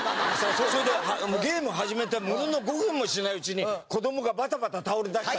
それでゲーム始めてものの５分もしないうちに子どもがバタバタ倒れだして。